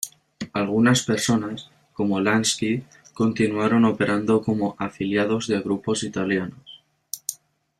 Algunas personas, como Lansky, continuaron operando como afiliados de grupos italianos.